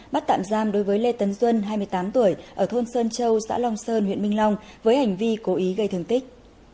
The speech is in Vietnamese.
bắt tạm giam đối với lê tấn duân hai mươi tám tuổi ở thôn sơn châu xã long sơn huyện minh long với hành vi cố ý gây thương tích